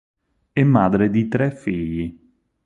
E' madre di tre figli.